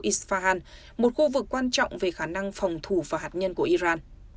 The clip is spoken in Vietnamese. iran là một khu vực quan trọng về khả năng phòng thủ và hạt nhân của iran